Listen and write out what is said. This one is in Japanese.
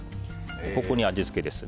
ここに味付けですね。